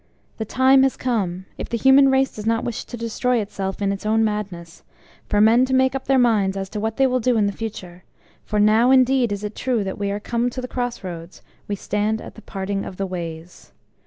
The time has come if the human race does not wish to destroy itself in its own madness for men to make up their minds as to what they will do in the future; for now indeed is it true that we are come to the cross roads, we stand at the Parting of the Ways.